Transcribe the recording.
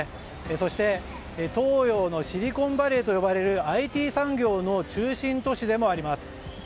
そして、東洋のシリコンバレーと呼ばれるＩＴ産業の中心都市でもあります。